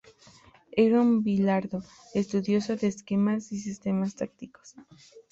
Era un Bilardo: estudioso de esquemas y sistemas tácticos.